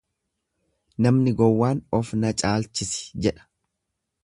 Namni gowwaan of na caalchisi jedha.